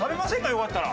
よかったら。